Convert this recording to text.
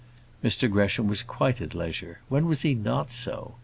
Mr Gresham was quite at leisure: when was he not so?